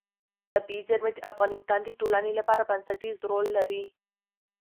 طبیعي زیرمې د افغانستان د ټولنې لپاره بنسټيز رول لري.